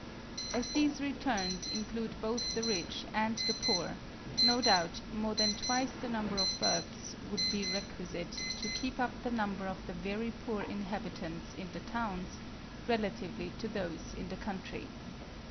As these returns include both the rich and the poor, no doubt more than twice the number of births would be requisite to keep up the number of the very poor inhabitants in the towns, relatively to those in the country.